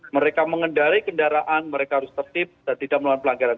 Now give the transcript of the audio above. mereka mengendari kendaraan mereka harus tertib dan tidak melakukan pelanggaran